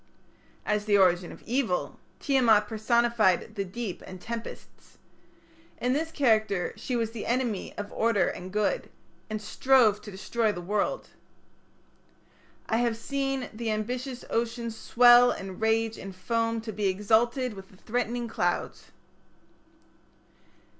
As the origin of evil Tiamat personified the deep and tempests. In this character she was the enemy of order and good, and strove to destroy the world. I have seen The ambitious ocean swell and rage and foam To be exalted with the threatening clouds.